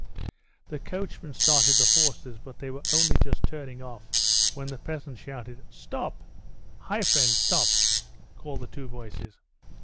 The coachman started the horses, but they were only just turning off when the peasant shouted: "Stop! Hi, friend! Stop!" called the two voices.